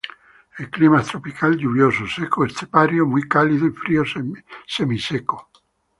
El clima es tropical lluvioso, seco estepario muy cálido y frío semiseco.